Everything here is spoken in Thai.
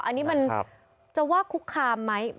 อันนี้มันจะว่าคุกคามไหม